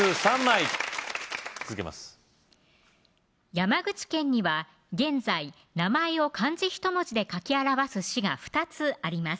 山口県には現在名前を漢字ひと文字で書き表す市が２つあります